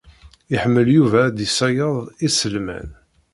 Iḥemmel Yuba ad d-iṣeyyed iselman.